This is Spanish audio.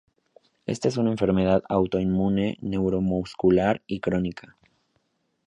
Esta es una enfermedad autoinmune neuromuscular y crónica.